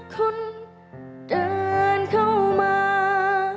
คนเดินเข้ามา